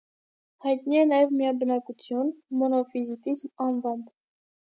Հայտնի է նաև միաբնակություն (մոնոֆիզիտիզմ) անվամբ։